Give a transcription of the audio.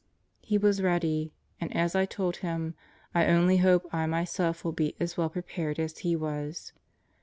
He was ready, and as I told him, I only hope I myself will be as well prepared as he was.